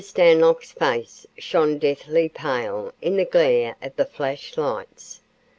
Stanlock's face shone deathly pale in the glare of the flash lights.